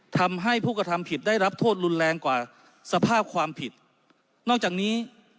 ทำให้ผู้กระทำผิดได้รับโทษรุนแรงกว่าสภาพความผิดนอกจากนี้